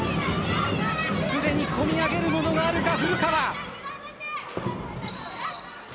すでにこみ上げるものがあるか、古川。